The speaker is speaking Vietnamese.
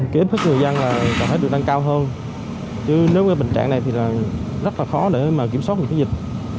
kế thức người dân là có thể được đăng cao hơn chứ nếu bệnh trạng này thì rất là khó để kiểm soát dịch